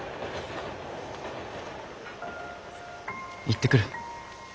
行ってくる。